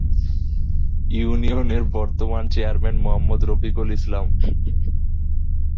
ইউনিয়নের বর্তমান চেয়ারম্যান মোহাম্মদ রফিকুল ইসলাম।